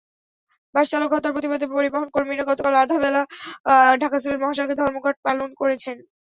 বাসচালক হত্যার প্রতিবাদে পরিবহনকর্মীরা গতকাল আধা বেলা ঢাকা-সিলেট মহাসড়কে ধর্মঘটও পালন করেছেন।